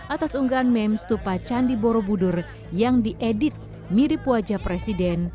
atas unggahan meme stupa candi borobudur yang diedit mirip wajah presiden